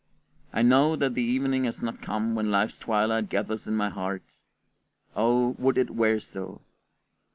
I know that the evening has not come when life's twilight gathers in my heart: oh, would it were so!